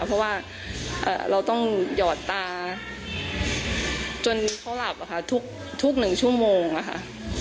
เพราะว่าเอ่อเราต้องหยอดตาจนเขาหลับนะคะทุกทุกหนึ่งชั่วโมงนะคะ